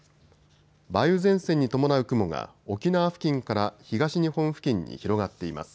梅雨前線に伴う雲が沖縄付近から東日本付近に広がっています。